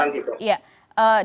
di kisaran gitu